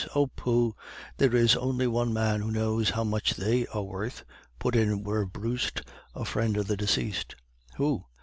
"'Oh, pooh, there is only one man who knows how much they are worth,' put in Werbrust, a friend of the deceased. "'Who?